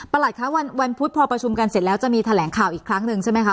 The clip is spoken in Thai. คะวันพุธพอประชุมกันเสร็จแล้วจะมีแถลงข่าวอีกครั้งหนึ่งใช่ไหมคะ